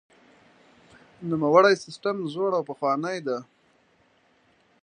نوموړی سیستم زوړ او پخوانی دی.